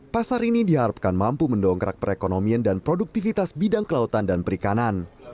pasar ini diharapkan mampu mendongkrak perekonomian dan produktivitas bidang kelautan dan perikanan